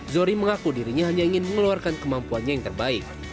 zohri mengaku dirinya hanya ingin mengeluarkan kemampuannya yang terbaik